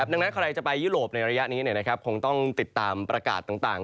ดังนั้นใครจะไปยุโรปในระยะนี้คงต้องติดตามประกาศต่าง